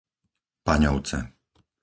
Paňovce